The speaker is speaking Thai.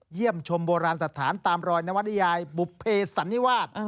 เยี่ยมชมโบราณสถานตามรอยนวนิยายบุภเพสันนิวาส